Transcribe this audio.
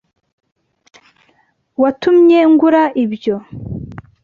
Watumye ngura ibyo.